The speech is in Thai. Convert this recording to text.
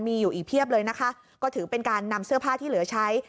มีอยู่อีกเพียบเลยนะคะก็ถือเป็นการนำเสื้อผ้าที่เหลือใช้